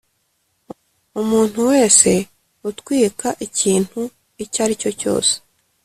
umuntu wese utwika ikintu icyo ari cyose